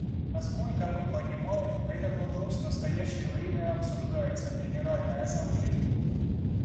Насколько мы понимаем, этот вопрос в настоящее время обсуждается в Генеральной Ассамблее.